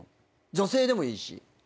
女性でもいいし。